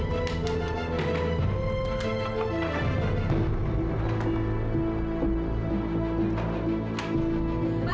mbak juli aduh buka jantung kan